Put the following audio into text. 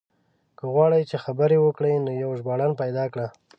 که غواړې چې خبرې وکړو نو يو ژباړن پيدا کړه.